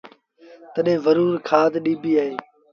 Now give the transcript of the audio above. تڏهيݩ زرور کآڌ ڏبيٚ اهي